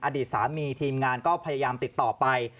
อดีตสามีทีมงานก็พยายามติดต่อไป